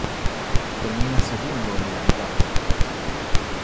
Termina segundo en la etapa.